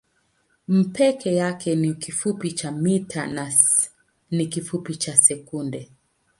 m peke yake ni kifupi cha mita na s ni kifupi cha sekunde.